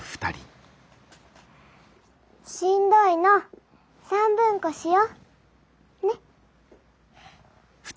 しんどいのさんぶんこしよ？ね？